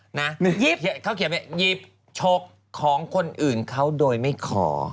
หยิบชกของคนอื่นเขาโดยไม่ขอ